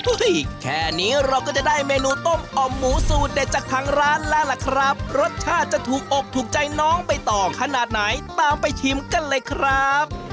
แค่นี้เราก็จะได้เมนูต้มอ่อมหมูสูตรเด็ดจากทางร้านแล้วล่ะครับรสชาติจะถูกอกถูกใจน้องไปต่อขนาดไหนตามไปชิมกันเลยครับ